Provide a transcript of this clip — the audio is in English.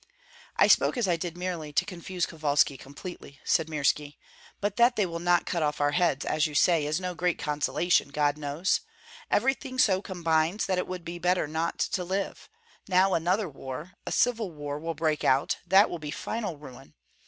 "I spoke as I did merely to confuse Kovalski completely," said Mirski; "but that they will not cut off our heads, as you say, is no great consolation, God knows. Everything so combines that it would be better not to live; now another war, a civil war, will break out, that will be final ruin.